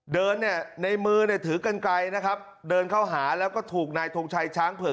เดินเนี่ยในมือเนี่ยถือกันไกลนะครับเดินเข้าหาแล้วก็ถูกนายทงชัยช้างเผือก